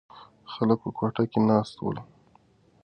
خلک په کوټه کې ناست ول.